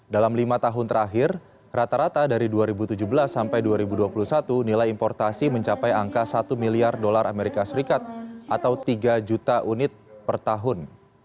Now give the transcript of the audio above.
dalam lima tahun terakhir rata rata dari dua ribu tujuh belas sampai dua ribu dua puluh satu nilai importasi mencapai angka satu miliar dolar as atau tiga juta unit per tahun